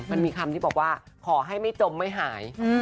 มันมีคำที่บอกว่าขอให้ไม่จมไม่หาย